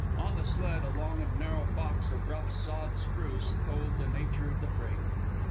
On the sled, a long and narrow box of rough sawed spruce told the nature of the freight.